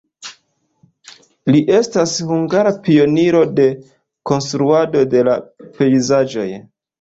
Li estas hungara pioniro de konstruado de la pejzaĝoj.